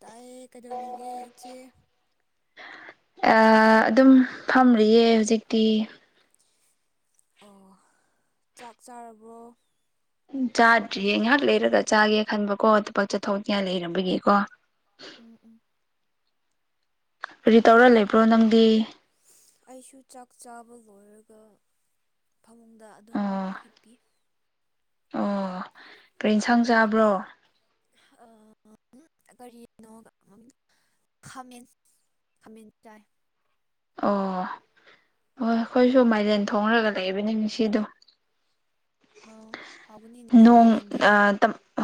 ꯇꯥꯏꯌꯦ ꯀꯩꯗꯧꯔꯤꯒꯦ ꯏꯆꯦ ꯑꯗꯨꯝ ꯐꯝꯔꯤꯌꯦ ꯍꯧꯖꯤꯛꯇꯤ ꯑꯣ ꯆꯥꯛ ꯆꯥꯔꯕ꯭ꯔꯣ ꯆꯥꯗ꯭ꯔꯤꯌꯦ ꯉꯥꯏꯍꯥꯛ ꯂꯩꯔꯒ ꯆꯥꯒꯦ ꯈꯟꯕꯀꯣ ꯊꯕꯛ ꯆꯠꯊꯣꯛ ꯀꯌꯥ ꯂꯩꯔꯝꯕꯒꯤꯀꯣ ꯎꯝ-ꯎꯝ ꯔꯤ ꯇꯧꯔ ꯂꯩꯕ꯭ꯔꯣ ꯅꯪꯗꯤ ꯑꯩꯁꯨ ꯆꯥꯛ ꯆꯥꯕ ꯂꯣꯏꯔꯒ ꯐꯃꯨꯡꯗ ꯑꯗꯨꯝ ꯑꯣ ꯍꯤꯞꯄꯤ ꯑꯣ ꯀꯔꯤ ꯏꯟꯁꯥꯡ ꯃꯄꯥꯟ ꯆꯥꯕ꯭ꯔꯣ ꯑ ꯀꯔꯤꯅꯣ ꯈꯥꯃꯦꯟ ꯈꯥꯃꯦꯟ ꯆꯥꯏ ꯑꯣ ꯍꯣꯏ ꯑꯩꯈꯣꯏꯁꯨ ꯃꯥꯏꯔꯦꯟ ꯊꯣꯡꯂꯒ ꯂꯩꯕꯅꯤ ꯃꯤꯁꯤꯗꯣ ꯑꯥ ꯍꯥꯎꯒꯅꯤꯅꯦ ꯅꯣꯡ ꯃꯣꯔꯦꯟꯗꯤ ꯑ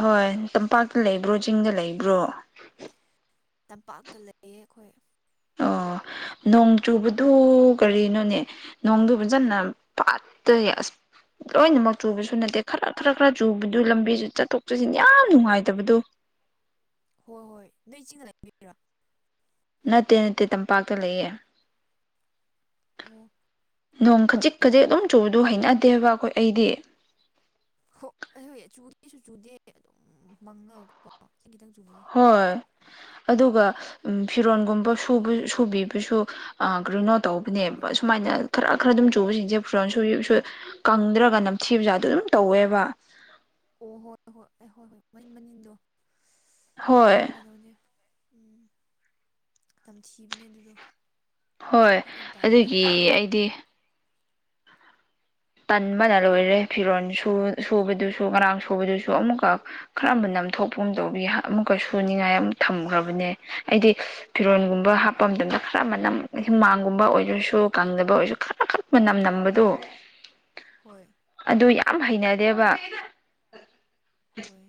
ꯍꯣꯏ ꯇꯝꯄꯥꯛꯇ ꯂꯩꯕ꯭ꯔꯣ ꯆꯤꯡꯗ ꯂꯩꯕ꯭ꯔꯣ ꯇꯝꯄꯥꯛꯇ ꯂꯩꯌꯦ ꯑꯈꯣꯏ ꯑꯣ ꯅꯣꯡ ꯆꯨꯕꯗꯨ ꯀꯔꯤꯅꯣꯅꯦ ꯅꯣꯡꯗꯨ ꯐꯖꯅ ꯄꯥꯠꯇꯩ ꯑꯁ ꯂꯣꯏꯅꯃꯛ ꯆꯨꯕꯁꯨ ꯅꯠꯇꯦ ꯈꯔ ꯈꯔ ꯈꯔ ꯆꯨꯕꯗꯨ ꯂꯝꯕꯤꯁꯨ ꯆꯠꯊꯣꯛ ꯆꯠꯁꯤꯟ ꯌꯥꯝ ꯅꯨꯡꯉꯥꯏꯇꯕꯗꯨ ꯍꯣꯏ-ꯍꯣꯏ ꯅꯣꯏ ꯆꯤꯡ [unintelligible] ꯅꯠꯇꯦ-ꯅꯠꯇꯦ ꯇꯝꯄꯥꯛꯇ ꯂꯩꯌꯦ ꯑꯣ ꯅꯣꯡ ꯍꯣꯏ ꯈꯖꯤꯛ-ꯈꯖꯤꯛ ꯑꯗꯨꯝ ꯆꯨꯕꯗꯨ ꯍꯩꯅꯗꯦꯕ ꯑꯈꯣꯏ ꯑꯩꯗꯤ ꯑꯩ ꯍꯣꯏ ꯆꯨꯗꯦꯁꯨ ꯆꯨꯗꯦ ꯑꯗꯨꯝ ꯃꯪꯉꯥꯒꯀꯣ ꯈꯤꯇꯪ ꯆꯨꯕꯗ ꯍꯣꯏ ꯑꯗꯨꯒ ꯐꯤꯔꯣꯟꯒꯨꯝꯕꯨ ꯁꯨꯕꯤꯕꯁꯨ ꯒ꯭ꯔꯤꯅꯣꯠ ꯇꯧꯕꯅꯦꯕ ꯀꯪꯗꯕꯗꯣ ꯁꯨꯃꯥꯏꯅ ꯍꯣꯏ ꯈꯔ ꯈꯔ ꯑꯗꯨꯝ ꯆꯨꯕꯁꯤꯡꯁꯦ ꯐꯔꯣꯟ ꯁ ꯀꯪꯗ꯭ꯔꯒ ꯅꯝꯊꯤꯕꯖꯥꯗꯣ ꯑꯗꯨꯝ ꯇꯧꯋꯦꯕ ꯑꯣ ꯍꯣꯏ ꯍꯣꯏ ꯍꯣꯏ ꯑꯩ ꯍꯣꯏ ꯍꯣꯏ ꯃꯅꯤꯟ ꯃꯅꯤꯟꯗꯣ ꯍꯣꯏ ꯀꯩꯩꯅꯧꯅꯦ ꯎ ꯇꯝꯊꯤꯕꯅꯦ ꯑꯗꯨꯗꯣ ꯍꯣꯏ ꯐꯔꯛ ꯌꯥꯝ ꯇꯥꯗ꯭ꯔꯥ ꯑꯗꯨꯒꯤ ꯑꯩꯗꯤ ꯇꯟꯕꯅ ꯂꯣꯏꯔꯦ ꯐꯤꯔꯣꯜ ꯁꯨꯕꯗꯨꯁꯨ ꯉꯔꯥꯡ ꯁꯨꯕꯗꯨꯁꯨ ꯑꯃꯨꯛꯀꯛ ꯈ꯭ꯔꯝꯕ ꯅꯝꯊꯣꯛꯄꯒꯨꯝ ꯇꯧꯕꯤ ꯑꯃꯨꯛꯀ ꯁꯨꯨꯅꯤꯡꯉꯥꯏ ꯑꯃ ꯊꯝꯈ꯭ꯔꯕꯅꯦ ꯑꯩꯗꯤ ꯐꯤꯔꯣꯟꯒꯨꯝꯕ ꯍꯥꯞꯄ ꯃꯇꯝꯗ ꯈꯔ ꯃꯅꯝ ꯍꯤꯃꯥꯡꯒꯨꯝꯕ ꯑꯣꯏꯔꯁꯨ ꯀꯪꯗꯕ ꯑꯣꯏꯔꯁꯨ ꯈꯔ ꯃꯅꯝ-ꯅꯝꯕꯗꯨ ꯍꯣꯏ ꯑꯗꯨ ꯌꯥꯝ ꯍꯩꯅꯗꯦꯕ ꯍꯣꯏ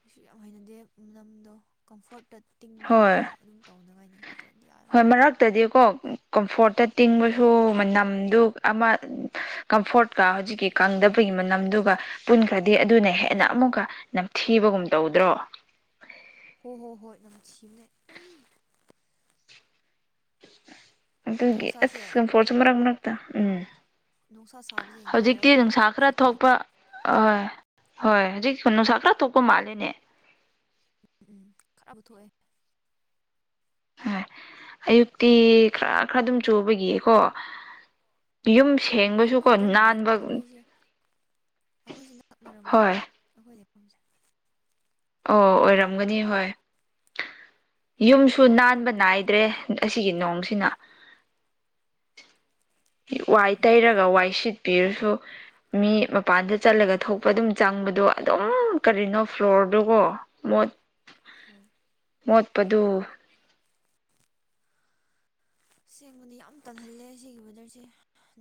ꯀꯩꯁꯨ ꯌꯥꯝ ꯍꯩꯅꯗꯦ ꯂꯝꯗꯣ ꯀꯝꯐ‌ꯣꯔ꯭ꯠꯇ ꯇꯤꯡꯉꯒꯀꯣ ꯍꯣꯏ ꯑꯗꯨꯝ ꯇꯧꯅꯉꯥꯏꯅꯤ ꯅꯠꯇ꯭ꯔꯗꯤ ꯌꯥꯔꯔꯣꯏ ꯍꯣꯏ ꯃꯔꯛꯇꯗꯤꯀꯣ ꯀꯝꯐꯣꯔꯠꯇ ꯍꯣꯏ ꯇꯤꯡꯕꯁꯨ ꯃꯅꯝꯗꯨ ꯑꯃ ꯀꯝꯐꯣꯔꯠꯀ ꯍꯧꯖꯤꯛꯀꯤ ꯀꯪꯗꯕꯒꯤ ꯃꯅꯝꯗꯨꯒ ꯄꯨꯟꯈ꯭ꯔꯗꯤ ꯑꯗꯨꯅ ꯍꯣꯏ ꯍꯦꯟꯅ ꯑꯃꯨꯛꯀ ꯅꯝꯊꯤꯕꯒꯨꯝ ꯇꯧꯗ꯭ꯔꯣ ꯍꯣꯏ ꯍꯣ ꯍꯣꯏ ꯅꯨꯝꯊꯤꯕꯅꯦ ꯑꯩ ꯑꯗꯨꯒꯤ ꯑꯁ ꯅꯨꯡꯁꯥꯁꯦ ꯆꯝꯐꯣ꯭ꯔꯗꯁꯨ ꯃꯔꯛ-ꯃꯔꯛꯇ ꯎꯝ ꯅꯨꯡꯁꯥ ꯁꯥꯕꯁꯦ ꯍꯧꯖꯤꯛꯇꯤ ꯉꯥꯏꯔꯀꯣ ꯅꯨꯡꯁꯥ ꯐꯤ ꯈꯔ ꯎꯝ ꯊꯣꯛꯄ ꯑ ꯍꯣꯏ ꯍꯧꯖꯤꯛ ꯅꯨꯡꯁꯥ ꯈꯔ ꯊꯣꯛꯄ ꯃꯥꯜꯂꯦꯅꯦ ꯎꯝ ꯎꯝ ꯈꯔꯕꯨ ꯊꯣꯛꯑꯦ ꯍꯣꯏ ꯑꯌꯨꯛꯇꯤ ꯈꯔ-ꯈꯔ ꯑꯗꯨꯝ ꯆꯨꯕꯒꯤꯀꯣ ꯌꯨꯝ ꯎ ꯑꯩꯈꯣꯏ ꯁꯦꯡꯕꯁꯨꯀꯣ ꯋꯦꯗꯔ ꯃꯅꯩꯅ ꯅꯥꯟꯕ ꯑꯩꯈꯣꯏꯁꯦ ꯑꯩꯈꯣꯏꯁꯦ ꯅꯛꯅꯔꯝꯒꯅꯤ ꯍꯣꯏ ꯑꯩꯈꯣꯏ ꯂꯩꯐꯝꯁꯦ ꯑꯣ ꯑꯣꯏꯔꯝꯒꯅꯤ ꯍꯣꯏ ꯌꯨꯝꯁꯨ ꯅꯥꯟꯕ ꯅꯥꯏꯗ꯭ꯔꯦ ꯑꯁꯤꯒꯤ ꯅꯣꯡꯁꯤꯅ ꯋꯥꯏ ꯎꯝ ꯇꯩꯔꯒ ꯋꯥꯏ ꯁꯤꯠꯄꯤꯔꯁꯨ ꯃꯤ ꯃꯄꯥꯟꯗ ꯆꯠꯂꯒ ꯊꯣꯛꯄ ꯑꯗꯨꯝ ꯆꯪꯕꯗꯣ ꯑꯗꯨꯝ ꯀꯔꯤꯅꯣ ꯐ꯭ꯂꯣꯔꯗꯨꯕ‌ꯣ ꯃꫭꯠ ꯍꯣꯏ ꯃꯣꯠꯄꯗꯨ ꯁꯦꯡꯕꯗꯤ ꯌꯥꯝ ꯇꯜꯍꯜꯂꯦ ꯁꯤꯒꯤ ꯋꯦꯗ꯭ꯔꯁꯦ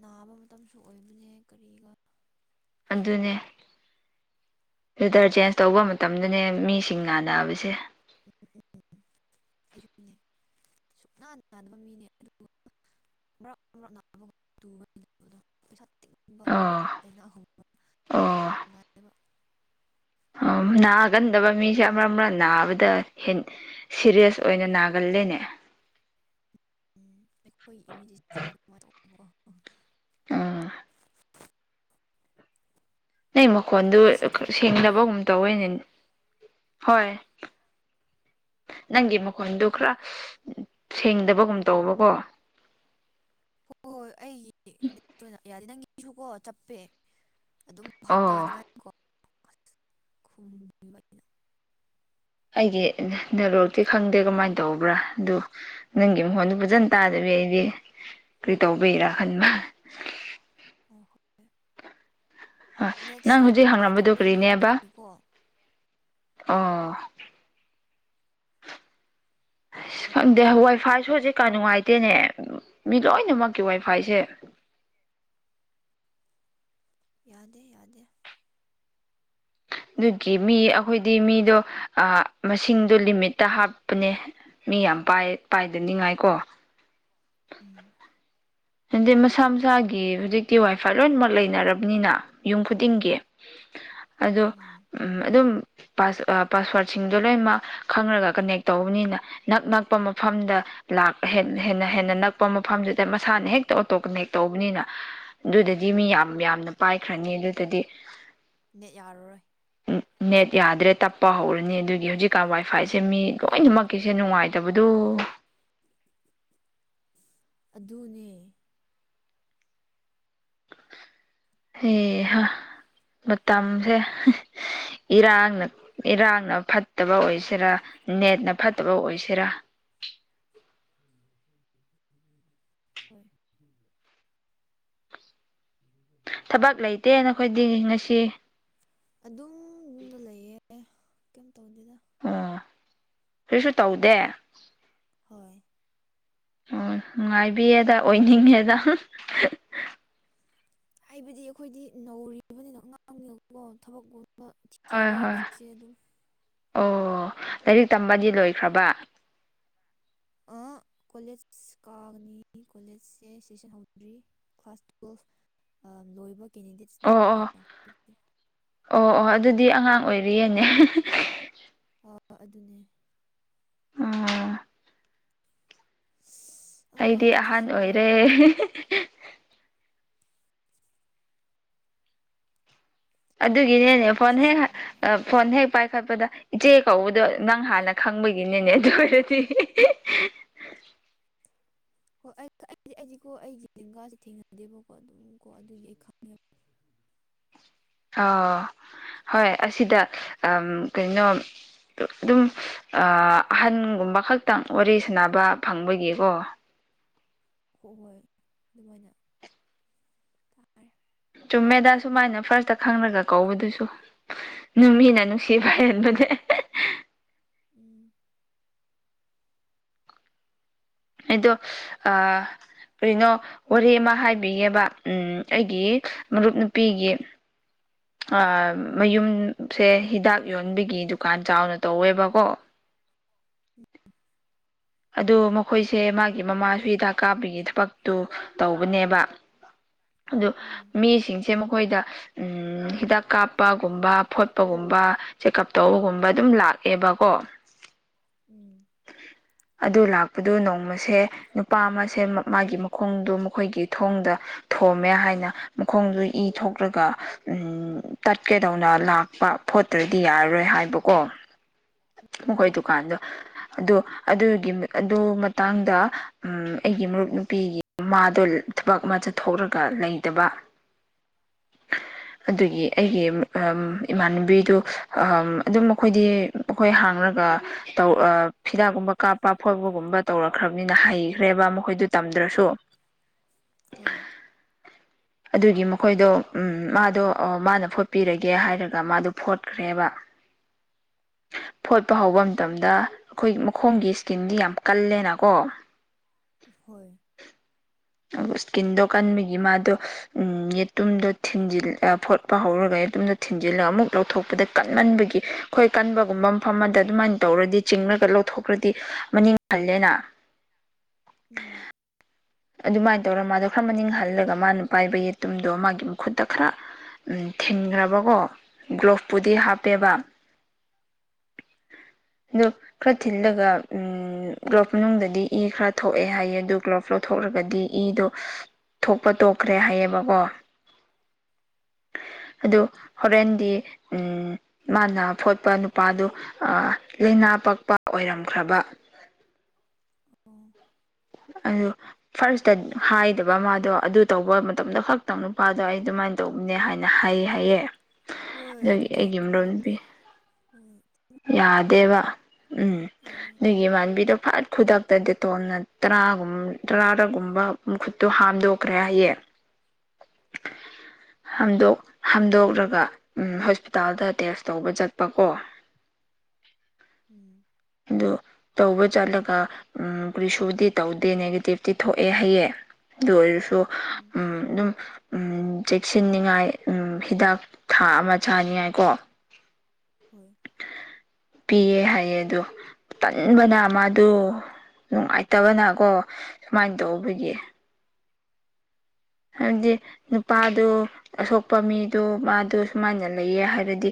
ꯅꯥꯕ ꯃꯇꯝꯁꯨ ꯑꯣꯏꯕꯅꯦ ꯀꯔꯤꯒ ꯑꯗꯨꯅꯦ ꯋꯤꯟꯇꯔ ꯆꯦꯟꯖ ꯇꯧꯕ ꯃꯇꯝꯗꯅꯦ ꯃꯤꯁꯤꯡ ꯅꯥꯅꯕꯁꯦ ꯁꯨꯛ ꯅꯥꯟꯅ ꯕ ꯃꯤꯅꯦ ꯕ ꯅꯥ [unintelligible] ꯄꯩꯁꯥ ꯇꯤꯡꯅꯤꯡꯕ ꯂꯥꯏꯅꯍꯨꯝ ꯑ‌ꯣ ꯅꯥꯏꯌ‌ꯦꯕꯥ ꯑꯣ ꯅꯥꯒꯟꯗꯕ ꯃꯤꯁꯦ ꯑꯃꯛ ꯑꯃꯛ ꯅꯥꯕꯗ ꯍꯦꯟ ꯁꯤꯔꯤꯌ‌ꯦꯁ ꯑꯣꯏꯅ ꯅꯥꯒꯜꯂ‌ꯦꯅꯦ ꯎꯝ ꯑꯩꯈ‌ꯣꯏ [unintelligible] ꯋꯥ [unintelligible] ꯑꯥ ꯅꯪ ꯃꯈꯣꯟꯗꯨ ꯉꯁꯤ ꯊꯕꯛ ꯆꯠꯀꯅꯤ ꯁꯦꯡꯗꯕꯒꯨꯝ ꯇꯧꯋꯦꯅꯦ ꯍꯥ ꯍꯣꯏ ꯅꯪꯒꯤ ꯃꯈꯣꯟꯗꯨ ꯈꯔ ꯁꯦꯡꯗꯕꯒꯨꯝ ꯇꯧꯕꯀꯣ ꯍꯣꯏ ꯍꯣꯏ ꯑꯩꯒꯤ [unintelligible] ꯌꯥꯔꯦ ꯅꯪꯒꯤꯁꯨꯀꯣ ꯆꯞꯄꯦ ꯑꯗꯨꯝ ꯑꯣ ꯕꯥꯞꯇꯥꯅꯤꯉꯥꯏꯀ‌ꯣ [unintelligible] ꯑꯩꯗꯤ ꯅꯦꯠꯒ‌꯭ꯔ‌ꯣꯛꯇꯤ ꯈꯪꯗꯦ ꯀꯃꯥꯏꯅ ꯇꯧꯕ꯭ꯔꯥ ꯑꯗꯨ ꯅꯪꯒꯤ ꯃꯈ‌ꯣꯟꯗꯨ ꯐꯖꯅ ꯇꯥꯗ꯭ꯔ‌ꯦ ꯑꯩꯗꯤ ꯀ꯭ꯔꯤ ꯇꯧꯕꯩꯔꯥ ꯈꯟꯕ ꯑꫭ ꯑ ꯅꯪ ꯅꯦꯠꯁꯦ ꯌꯥꯝ ꯍꯧꯖꯤꯛ ꯍꯪꯂꯝꯕꯗꯨꯣ ꯅꯨꯡꯉꯥꯏꯇꯕꯅꯦ ꯀꯔꯤꯅꯦꯕ ꯉꯔꯥꯡꯗꯒꯤꯀꯣ ꯑꯣ ꯑꯁ ꯈꯪꯗꯦ ꯋꯥꯏ ꯐꯥꯏꯁꯨ ꯍꯧꯖꯤꯛ ꯀ ꯅꯨꯡꯉꯥꯏꯇꯦꯅꯦ ꯃꯤ ꯂꯣꯏꯅꯃꯛꯀꯤ ꯋꯥꯏ ꯐꯥꯏꯁꯦ ꯌꯥꯗꯦ ꯌꯥꯗꯦ ꯑꯗꯨꯒꯤ ꯃꯤ ꯑꯩꯈꯣꯏꯗꯤ ꯃꯤꯗꯣ ꯃꯥꯁꯤꯡꯗꯣ ꯂꯤꯃꯤꯠꯇ ꯍꯥꯞꯄꯅꯦ ꯃꯤ ꯌꯥꯝ ꯄꯥꯏꯗꯅꯤꯡꯉꯥꯏꯀꯣ ꯎꯝ ꯍꯥꯏꯟꯗꯤ ꯃꯁꯥ-ꯃꯁꯥꯒꯤ ꯍꯧꯖꯤꯛꯇꯤ ꯋꯥꯏꯐꯥꯏ ꯂꯣꯏꯅꯃꯛ ꯂꯩꯅꯔꯕꯅꯤꯅ ꯌꯨꯝ ꯈꯨꯗꯤꯡꯒꯤ ꯑꯗꯣ ꯎꯝ ꯑꯗꯨꯝ ꯥꯄꯥꯁ ꯄꯥꯁꯋꯥꯠꯁꯤꯡꯗꯣ ꯂꯣꯏꯅꯃꯛ ꯈꯪꯔꯒ ꯀꯅꯦꯛ ꯇꯧꯕꯅꯤꯅ ꯅꯛ ꯅꯛꯄ ꯃꯐꯝꯗ ꯂꯥꯛꯄ ꯍꯦꯟꯅ ꯍꯦꯟꯅ ꯅꯛꯄ ꯃꯐꯝꯁꯤꯗ ꯃꯁꯥꯅ ꯍꯦꯛꯇ ꯑꯣꯇꯣ ꯀꯅꯦꯛ ꯇꯧꯕꯅꯤꯅ ꯑꯗꯨꯗꯗꯤ ꯃꯤ ꯌꯥꯝ-ꯌꯥꯝꯅ ꯄꯥꯏꯈ꯭ꯔꯅꯤ ꯑꯗꯨꯗꯗꯤ ꯅꯦꯠ ꯌꯥꯔꯔꯣꯏ ꯅꯦꯠ ꯌꯥꯗ꯭ꯔꯦ ꯇꯞꯄ ꯍꯧꯔꯅꯤ ꯑꯗꯨꯒꯤ ꯍꯧꯖꯤꯛꯀꯥꯟ ꯋꯥꯏꯐꯥꯏꯁꯦ ꯃꯤ ꯂꯣꯏꯅꯃꯛ ꯀꯁꯦ ꯅꯨꯡꯉꯥꯏꯇꯕꯗꯨ ꯑꯗꯨꯅꯦ ꯍꯩꯍꯥ ꯃꯇꯝꯁꯦ ꯏꯔꯥꯡꯅ ꯏꯔꯥꯡꯅ ꯐꯠꯇꯕ ꯑꯣꯏꯁꯤꯔꯥ ꯅꯦꯠꯅ ꯐꯠꯇꯕ ꯑꯣꯏꯁꯤꯔꯥ ꯊꯗ ꯁ [unintelligible] ꯊꯕꯛ ꯂꯩꯇꯦ ꯅꯈꯣꯏꯗꯤ ꯉꯁꯤ ꯑꯗꯨꯝ ꯇꯧꯗ‌ꯦꯗ ꯑ ꯀꯩꯁꯨ ꯇꯧꯗꯦ ꯍꯣꯏ ꯑꯣ ꯅꯨꯡꯉꯥꯏꯕꯤꯌꯦꯗ ꯑꯣꯏꯅꯤꯡꯉꯦꯗ ꯍꯥꯏꯕꯗꯤ ꯑꯩꯈꯣꯏꯗꯤ ꯅꯧꯔꯤꯕꯅꯤꯅꯣ ꯑꯉꯥꯡꯁꯤꯡꯅꯀꯣ ꯊꯕꯛꯒꯨꯟꯕ ꯍꯣꯏ ꯍꯣꯏ ꯑꯣ ꯂꯥꯏꯔꯤꯛ ꯇꯝꯕꯗꯤ ꯂꯣꯏꯈ꯭ꯔꯕ ꯀꯣꯂꯦꯖ ꯀꯥꯒꯅꯤ ꯀꯣꯂꯦꯖꯁꯦ ꯁꯦꯁꯟ ꯍꯧꯗ꯭ꯔꯤ ꯀ꯭ꯂꯥꯁ ꯇꯨꯋꯦꯜꯐ ꯂꯣꯏꯕ ꯀꯦꯟꯗꯤꯗꯦꯠꯁ ꯑꯣ ꯅꯦꯕꯀꯣ ꯑꯣ ꯑꯗꯨꯒꯤ ꯑꯣ ꯑꯣ ꯑꯗꯨꯗꯤ ꯑꯉꯥꯡ ꯑꯣꯏꯔꯤꯌꯦꯅꯦ꯫ [unintelligible] ꯑꯗꯨꯅꯦ ꯑꯣ ꯏꯁ ꯑꯩꯗꯤ ꯑꯍꯟ ꯑꯣꯏꯔꯦ ꯑꯉꯥꯡ ꯑꯗꯨꯒꯤꯅꯦꯅꯦ ꯐꯣꯟ ꯑꯣꯏꯕꯁꯤꯁꯨ ꯍꯦꯛ ꯅꯨꯡꯉꯥꯏꯕꯅꯦ ꯐꯣꯟ ꯍꯦꯛ ꯄꯥꯏ ꯈꯠꯄꯗ ꯏꯆꯦ ꯀꯧꯕꯗꯣ ꯅꯪ ꯍꯥꯟꯅ ꯈꯪꯕꯒꯤꯅꯤꯅꯦ ꯑꯗꯨ ꯑꯣꯏꯔꯗꯤ ꯍꯣꯏ ꯑꯩ ꯑꯩꯗꯤ ꯑꯩꯗꯤꯀꯣ ꯑꯩꯒꯤ ꯂꯦꯡꯒꯥꯁꯤ ꯊꯦꯡꯅꯗꯦꯕꯀꯣ ꯑꯗꯨꯝ ꯀꯣ ꯑꯗꯨꯒꯤ ꯑꯩ ꯈꯪꯉꯦꯕ ꯑꯣ ꯍꯣꯏ ꯑꯁꯤꯗ ꯀꯩꯅꯣ ꯑꯗꯨꯝ ꯑꯍꯟꯒꯨꯝꯕ ꯈꯛꯇꯪ ꯋꯥꯔꯤ ꯁꯥꯟꯅꯕ ꯐꯪꯕꯒꯤꯀꯣ ꯍ ꯍꯣꯏ ꯑꯗꯨꯃꯥꯏꯅ ꯇꯥꯔꯦ ꯆꯨꯝꯃꯦꯗ ꯁꯨꯃꯥꯏꯅ ꯐꯥꯔꯁꯇ ꯈꯪꯔꯒ ꯀꯧꯕꯗꯨꯁꯨ ꯅꯪ ꯃꯤꯅ ꯅꯨꯡꯁꯤꯕ ꯍꯩꯔꯝꯕꯗꯤ ꯎꯝ ꯑꯗꯣ ꯑꯥ ꯀꯔꯤꯅꯣ ꯋꯥꯔꯤ ꯑꯃ ꯍꯥꯏꯕꯤꯒꯦꯕ ꯎꯝ ꯑꯩꯒꯤ ꯃꯔꯨꯞ ꯅꯨꯄꯤꯒꯤ ꯃꯌꯨꯝꯁꯦ ꯍꯤꯗꯥꯛ ꯌꯣꯟꯕꯒꯤ ꯗꯨꯀꯥꯟ ꯆꯥꯎꯅ ꯇꯧꯋꯦꯕꯀꯣ ꯎꯝ ꯑꯗꯨ ꯃꯈꯣꯏꯁꯦ ꯃꯥꯒꯤ ꯃꯃꯥꯁꯨ ꯍꯤꯗꯥꯛ ꯀꯥꯞꯕꯒꯤ ꯊꯕꯛꯇꯨ ꯇꯧꯕꯅꯦꯕ ꯑꯗꯣ ꯎꯝ ꯃꯤꯁꯤꯡꯁꯦ ꯃꯈꯣꯏꯗ ꯎꯝ ꯍꯤꯗꯥꯛ ꯀꯥꯞꯄꯒꯨꯝꯕ ꯐꯣꯠꯄꯒꯨꯝꯕ ꯆꯦꯛꯀꯞ ꯇꯧꯕꯒꯨꯝꯕ ꯑꯗꯨꯝ ꯂꯥꯛꯑꯦꯕꯀꯣ ꯎꯝ ꯍ ꯑꯗꯨ ꯂꯥꯛꯄꯗꯨ ꯅꯣꯡꯃꯁꯦ ꯅꯨꯄꯥ ꯑꯃꯁꯦ ꯃꯥꯒꯤ ꯃꯈꯣꯡꯗꯨ ꯃꯈꯣꯏꯒꯤ ꯊꯣꯡꯗ ꯊꯣꯝꯃꯦ ꯍꯥꯏꯅ ꯃꯈꯣꯡꯗꯨ ꯏ ꯊꯣꯛꯂꯒ ꯇꯠꯀꯦꯗꯧꯅ ꯂꯥꯛꯄ ꯐꯣꯠꯇ꯭ꯔꯗꯤ ꯌꯥꯔꯔꯣꯏ ꯍꯥꯏꯕꯀꯣ ꯃꯈꯣꯏ ꯑꯣ ꯗꯨꯀꯥꯟꯗꯣ꯫ ꯑꯗꯣ ꯑꯗꯨꯒꯤ ꯑꯗꯨ ꯃꯇꯥꯡꯗ ꯎꯝ ꯑꯩꯒꯤ ꯃꯔꯨꯞ ꯅꯨꯄꯤꯒꯤ ꯃꯃꯥꯗꯣ ꯊꯕꯛ ꯑꯃ ꯆꯠꯊꯣꯛꯔꯒ ꯂꯩꯇꯕ꯫ ꯑꯗꯨꯒꯤ ꯑꯩꯒꯤ ꯏꯃꯥꯟꯅꯕꯤꯗꯨ ꯑꯗꯨꯝ ꯃꯈꯣꯏꯗꯤ ꯃꯈꯣꯏ ꯍꯥꯡꯂꯒ ꯇꯧ ꯑ ꯍꯤꯗꯥꯛꯀꯨꯝꯕ ꯀꯥꯞꯄ ꯐꯣꯠꯄꯒꯨꯝꯕ ꯇꯧꯔꯛꯈ꯭ꯔꯕꯅꯤꯅ ꯍꯩꯈ꯭ꯔꯦꯕ ꯃꯈꯣꯏꯗꯨ ꯇꯝꯗ꯭ꯔꯁꯨ ꯎꯝ ꯍꯣꯏ [inaudible] ꯑꯗꯨꯒꯤ ꯃꯈꯣꯏꯗꯨ ꯎꯃ ꯃꯥꯗꯣ ꯃꯥꯅ ꯐꯣꯠꯄꯤꯔꯒꯦ ꯍꯥꯏꯔꯒ ꯃꯥꯗꯣ ꯐꯣꯠꯈ꯭ꯔꯦꯕ꯫ ꯐꯣꯠꯄ ꯍꯧꯕ ꯃꯇꯝꯗ ꯑꯩꯈꯣꯏ ꯃꯈꯣꯡꯒꯤ ꯏꯁꯀꯤꯟꯗꯤ ꯌꯥꯝ ꯀꯜꯂꯦꯅꯀꯣ ꯍꯣꯏ ꯏꯁꯀꯤꯟꯗꯣ ꯀꯟꯕꯒꯤ ꯃꯥꯗꯣ ꯌꯦꯠꯇꯨꯝꯗꯣ ꯊꯤꯟꯖꯤꯟ ꯐꯣꯠꯄ ꯍꯧꯔꯒ ꯌꯦꯇꯨꯝꯗꯣ ꯊꯤꯟꯖꯤꯜꯂꯒ ꯑꯃꯨꯛ ꯂꯧꯊꯣꯛꯄꯗ ꯀꯟꯃꯟꯕꯒꯤ ꯑꯩꯈꯣꯏ ꯀꯟꯕꯒꯨꯝꯕ ꯃꯐꯝ ꯑꯃꯗ ꯑꯗꯨꯃꯥꯏꯅ ꯇꯧꯔꯗꯤ ꯆꯤꯡꯉꯒ ꯂꯧꯊꯣꯛꯈ꯭ꯔꯗꯤ ꯃꯅꯤꯡ ꯍꯜꯂꯦꯅ ꯎꯝ ꯑꯗꯨꯃꯥꯏꯅ ꯇꯧꯔꯒ ꯃꯥꯗꯣ ꯈꯔ ꯃꯅꯤꯡ ꯍꯜꯂꯒ ꯃꯥꯅ ꯄꯥꯏꯕ ꯌꯦꯇꯨꯝꯗꯣ ꯃꯥꯒꯤ ꯃꯈꯨꯠꯇ ꯈꯔ ꯎ ꯊꯤꯟꯈ꯭ꯔꯕꯀꯣ ꯒ꯭ꯂꯣꯞꯄꯨꯗꯤ ꯍꯥꯞꯄꯦꯕ꯫ ꯑꯗꯨ ꯈꯔ ꯊꯤꯜꯂꯒ ꯎꯝ ꯒ꯭ꯂꯣꯞ ꯃꯅꯨꯡꯗꯗꯤ ꯏ ꯈꯔ ꯊꯣꯛꯑꯦ ꯍꯥꯏꯌꯦ ꯑꯗꯨ ꯒ꯭ꯂꯣ ꯊꯣꯛꯂꯒꯗꯤ ꯏꯗꯣ ꯊꯣꯛꯄ ꯇꯣꯛꯈ꯭ꯔꯦ ꯍꯥꯏꯌꯦꯕꯀꯣ ꯑꯗꯨ ꯍꯣꯔꯦꯟꯗꯤ ꯎꯝ ꯃꯥꯅ ꯐꯣꯠꯄ ꯅꯨꯄꯥꯗꯨ ꯂꯥꯏꯅꯥ ꯄꯛꯄ ꯑꯣꯏꯔꯝꯈ꯭ꯔꯕ ꯑꯣ ꯑꯗꯨ ꯐꯥꯔꯁꯇ ꯍꯥꯏꯗꯕ ꯃꯥꯗꯣ ꯑꯗꯨ ꯇꯧꯕ ꯃꯇꯝꯗ ꯈꯛꯇꯪ ꯅꯨꯄꯥꯗꯣ ꯑꯩ ꯑꯗꯨꯃꯥꯏꯅ ꯇꯧꯕꯅꯦ ꯍꯥꯏꯅ ꯍꯥꯏ ꯍꯥꯏꯌꯦ ꯍꯣꯏ ꯑꯗꯨꯒꯤ ꯑꯗꯨꯗꯤ ꯑꯩꯒꯤ ꯍꯌꯦꯡ ꯃꯔꯣꯜ ꯑꯗꯨꯗꯤ ꯄꯤ꯫ ꯍꯣꯏ ꯌꯥꯗꯦꯕ ꯎꯝ ꯌꯥꯔꯣꯏ ꯑꯗꯨꯒꯤꯃꯥꯟꯕꯤꯗꯣ ꯐꯠ ꯈꯨꯗꯛꯇ ꯗꯦꯇꯣꯝꯅ ꯇꯔꯥꯒꯨꯝ ꯇꯔꯥꯔꯒꯨꯝꯕ ꯃꯈꯨꯠꯇꯣ ꯍꯥꯝꯗꯣꯛꯈ꯭ꯔꯦ ꯍꯥꯏꯌꯦ [inaudible] ꯍꯥꯝꯗꯣꯛ ꯍꯥꯝꯗꯣꯛꯂꯒ ꯍꯣꯁꯄꯤꯇꯥꯜꯗ ꯇꯦꯁ ꯇꯧꯕ ꯆꯠꯄꯀꯣ ꯎꯝ ꯑꯗꯨ ꯇꯧꯕ ꯆꯠꯂꯒ ꯀꯔꯤꯁꯨꯗꯤ ꯇꯧꯗꯦ ꯅꯦꯒꯦꯇꯤꯞꯇꯤ ꯊꯣꯛꯑꯦ ꯍꯌꯦ ꯑꯗꯨ ꯑꯣꯏꯔꯁꯨ ꯎꯝ ꯑꯗꯨꯝ ꯎꯝ ꯆꯦꯛꯁꯤꯟꯅꯤꯉꯥꯏ ꯎꯝ ꯍꯤꯗꯥꯛ ꯊꯥ ꯑꯃ ꯆꯥꯅꯤꯡꯉꯥꯏ ꯀꯣ ꯍꯣꯏ ꯄꯤꯌꯦ ꯍꯥꯏꯌꯦ ꯑꯗꯨꯣ ꯇꯟꯕꯅ ꯃꯥꯗꯨ ꯅꯨꯡꯉꯥꯏꯇꯕꯅꯀꯣ ꯁꯨꯃꯥꯏꯅ ꯇꯧꯕꯒꯤ ꯍꯥꯏꯕꯗꯤ ꯅꯨꯄꯥꯗꯨ ꯑꯁꯣꯛꯄ ꯃꯤꯗꯨ ꯃꯥꯗꯨ ꯁꯨꯃꯥꯏꯅ ꯂꯩꯌꯦ ꯍꯥꯏꯔꯗꯤ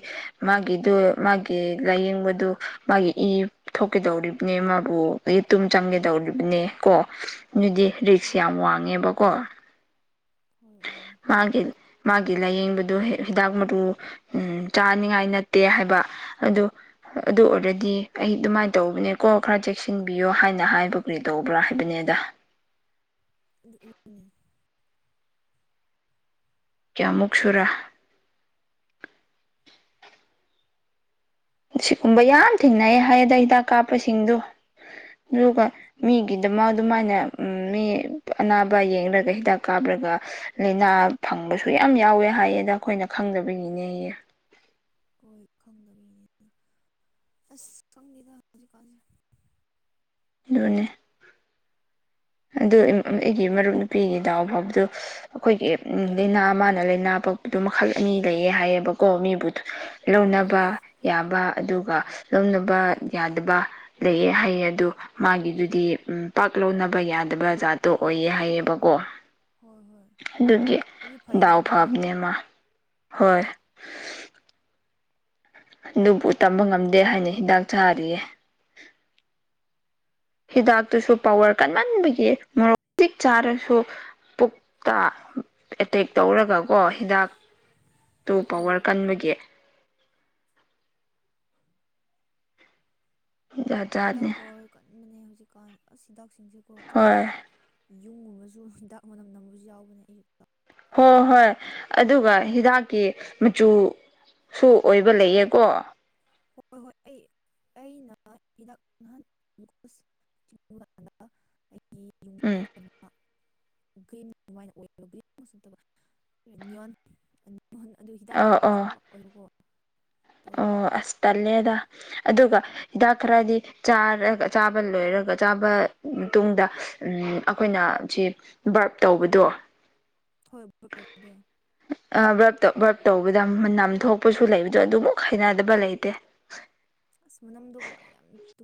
ꯃꯥꯒꯤꯗꯨꯣ ꯃꯥꯒꯤ ꯂꯥꯏꯌꯦꯡꯕꯗꯨ ꯃꯥꯒꯤ ꯊꯣꯛꯀꯗꯧꯔꯤꯕꯅꯦ ꯃꯥꯕꯨ ꯑꯗꯒꯤ ꯇꯨꯝ ꯆꯪꯒꯗꯧꯔꯤꯕꯅꯦ ꯀꯣ ꯑꯗꯨꯗꯤ ꯔꯤꯛꯁ ꯍꯣꯏ ꯌꯥꯝ ꯋꯥꯡꯉꯦꯕꯀꯣ ꯍꯣꯏ ꯋꯥꯡꯉꯦ ꯃꯥꯒꯤ ꯃꯥꯒꯤ ꯂꯥꯏꯌꯦꯡꯕꯗꯨ ꯍꯤꯗꯥꯛ ꯃꯔꯨ ꯎꯝ ꯆꯥꯅꯤꯉꯥꯏ ꯅꯠꯇꯦ ꯍꯥꯏꯕ ꯑꯗꯨ ꯑꯗꯨ ꯑꯣꯏꯔꯗꯤ ꯑꯩ ꯑꯗꯨꯃꯥꯏꯅ ꯇꯧꯕꯅꯦꯀꯣ ꯈꯔ ꯆꯦꯛꯁꯤꯟꯕꯤꯌꯣ ꯍꯥꯏꯅ ꯍꯥꯏꯕ ꯀꯩ ꯇꯧꯕ꯭ꯔꯥ ꯍꯥꯏꯕꯅꯤꯗ ꯑꯗꯨ ꯀꯌꯥꯃꯨꯛ ꯁꯨꯔ ꯁꯤꯒꯨꯝꯕ ꯌꯥꯝ ꯊꯦꯡꯅꯩ ꯍꯥꯏ ꯑꯗ ꯍꯤꯗꯥꯛ ꯀꯥꯞꯄꯁꯤꯡꯗꯣ ꯑꯗꯨꯒ ꯃꯤꯒꯤꯗꯃꯛ ꯑꯗꯨꯃꯥꯏꯅ ꯃꯤ ꯑꯅꯥꯕ ꯌꯦꯡꯒ ꯍꯤꯗꯥꯛ ꯀꯥꯞꯔꯒ ꯂꯥꯏꯅꯥ ꯐꯪꯕꯁꯨ ꯌꯥꯝ ꯌꯥꯎꯋꯦ ꯍꯥꯏꯌꯦꯗ ꯑꯈꯣꯏꯅ ꯈꯪꯗꯕꯒꯤꯅꯦꯌꯦ꯫ ꯍꯣꯏ ꯈꯪꯗꯕꯤ ꯅꯦ ꯑꯁ ꯈꯪꯗ‌ꯦꯗ ꯍꯧꯖꯤꯛꯀꯟꯁ‌ꯦ ꯑꯗꯨꯅꯦ ꯑꯗꯨ ꯑꯩꯒꯤ ꯃꯔꯨꯞ ꯅꯨꯄꯤꯒꯤ ꯗꯥꯎ ꯐꯕꯗꯨ ꯑꯩꯈꯣꯏꯒꯤ ꯎ ꯂꯩꯅꯥ ꯃꯥꯅ ꯂꯩꯅꯥ ꯄꯛꯄꯗꯨꯣ ꯃꯈꯜ ꯑꯅꯤ ꯂꯩꯌꯦ ꯍꯥꯏꯌꯦꯕꯀꯣ ꯃꯤꯕꯨ ꯍꯣꯏ ꯂꯧꯅꯕ ꯌꯥꯕ ꯑꯗꯨꯒ ꯂꯧꯅꯕ ꯌꯥꯗꯕ ꯂꯩꯑ ꯍꯥꯏꯩꯌꯦ ꯑꯗꯣ ꯃꯥꯒꯤꯗꯨꯗꯤ ꯎ ꯄꯥꯛ ꯂꯧꯅꯕ ꯕ ꯌꯥꯗꯕ ꯖꯥꯠꯇꯣ ꯑꯣꯏꯌꯦ ꯍꯥꯏꯌꯦꯕꯀꯣ ꯍꯣꯏ ꯍꯣꯏ ꯑꯗꯨꯒꯤ ꯑꯗꯨꯗꯤ ꯐꯩꯅ ꯗꯥꯎ ꯑꯗꯨꯗꯤ ꯐꯥꯕꯅꯦꯃ ꯍꯣꯏ ꯐꯩ ꯑꯗꯨꯕꯨ ꯇꯝꯕ ꯉꯝꯗꯦ ꯍꯥꯏꯅ ꯍꯤꯗꯥꯛ ꯆꯥꯔꯤꯌꯦ ꯍꯤꯗꯥꯛꯇꯨꯁꯨ ꯄꯋꯥꯔ ꯀꯟꯃꯟꯕꯒꯤ ꯃꯣꯔꯣꯛ ꯃꯇꯤꯛ ꯆꯥꯔꯁꯨ ꯄꯨꯛꯇ ꯑꯦꯇꯦꯛ ꯇꯧꯔꯒꯀꯣ ꯍꯤꯗꯥꯛ ꯇꯨ ꯍꯣꯏ ꯄꯋꯥꯔ ꯀꯟꯕꯒꯤ ꯍꯤꯗꯥꯛ ꯄꯥꯎꯋꯔ ꯀꯟꯕꯅꯦ ꯍꯧꯖꯤꯛꯀꯥꯟ ꯑꯁ ꯍꯤꯗꯥꯛꯁꯤꯡꯁꯤꯀꯣ ꯍꯣꯏ ꯆꯥꯔꯒ ꯌꯨꯝꯒꯨꯝꯕꯁꯨ ꯍꯨꯟꯗꯥꯛ ꯃꯅꯝ ꯅꯝꯕꯁꯨ ꯌꯥꯎꯕꯅꯦ ꯑꯩꯁꯨ ꯍꯣꯏ ꯍꯣꯏ ꯑꯗꯨꯒ ꯍꯤꯗꯥꯛꯀꯤ ꯃꯆꯨ ꯁꯨ ꯑꯣꯏꯕ ꯂꯩꯌꯦꯀꯣ꯫ ꯍꯣꯏ ꯍꯣꯏ ꯑꯩ ꯑꯩꯅ ꯍꯤꯗꯥꯛ ꯅꯍꯥꯟ ꯑꯁ ꯑꯩꯒꯤ ꯌꯨꯝ ꯎꯝ [unintelligible] ꯒ꯭ꯔꯤꯟ [unintelligible] ꯑꯗꯨꯃꯥꯏꯅ ꯑꯣꯏꯕ [unintelligible] ꯑꯗꯨ ꯍꯤꯗꯥꯛ ꯑꯣ ꯑꯣ ꯃꯃꯛ ꯑꯣꯏꯌꯨꯀꯣ ꯑꯣ ꯑꯁ ꯇꯜꯂꯦꯗ꯫ ꯑꯗꯨꯒ ꯍꯤꯗꯥꯛ ꯈꯔꯗꯤ ꯆꯥꯔꯒ ꯆꯥꯕ ꯂꯣꯏꯔꯒ ꯆꯥꯕ ꯇꯨꯡꯗ ꯑꯩꯈꯣꯏꯅ ꯁꯤ ꯕꯥꯔꯞ ꯇꯧꯕꯗꯣ [unintelligible] ꯍꯣꯏꯗꯣ ꯕ꯭ꯔꯞ ꯕ꯭ꯔꯞ ꯇꯧꯕꯗ ꯅꯝ ꯊꯣꯛꯄꯁꯨ ꯂꯩꯕꯗꯣ ꯑꯗꯨꯃꯨꯛ ꯍꯩꯅꯗꯕ ꯂꯩꯇꯦ꯫ ꯑꯁ ꯃꯅꯝꯗꯨꯒꯣ ꯌꯥꯝ ꯇꯨ